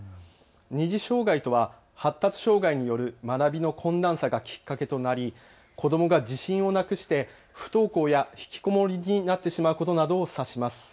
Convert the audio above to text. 二次障害とは発達障害による学びの困難さがきっかけとなり子どもが自信をなくして不登校や引きこもりになってしまうことなどを指します。